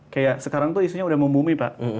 seperti sekarang itu isunya sudah membumi pak